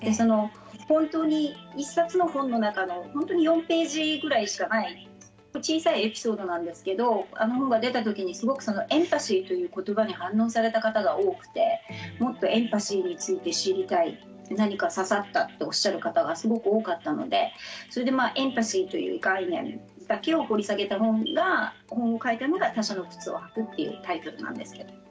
本当に１冊の本の中の本当に４ページぐらいしかない小さいエピソードなんですけどあの本が出たときにすごく「エンパシー」ということばに反応された方が多くてもっと「エンパシー」について知りたい何か刺さったとおっしゃる方がすごく多かったのでそれで「エンパシー」という概念だけを掘り下げた本を書いたのが「他者の靴を履く」というタイトルなんですけど。